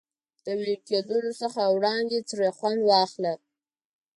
د وېلې کېدلو څخه وړاندې ترې خوند واخله.